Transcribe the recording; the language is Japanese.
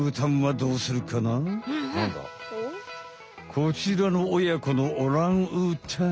こちらのおやこのオランウータン。